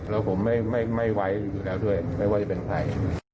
เราผมอยู่แล้วไม่ว่าจะเป็นใคร